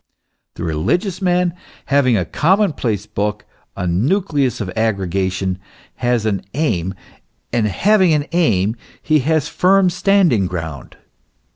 The religious man, having a common place book, a nucleus of aggregation, has an aim, and having an aim he has firm standing ground.